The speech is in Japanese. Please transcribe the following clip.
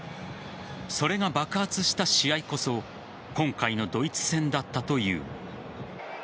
それが爆発した試合こそ今回のドイツ戦だったという。